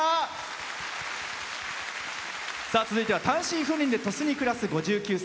続いては単身赴任で鳥栖に暮らす５９歳。